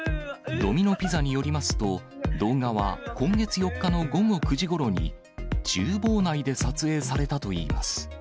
ドミノピザによりますと、動画は今月４日の午後９時ごろに、ちゅう房内で撮影されたといいます。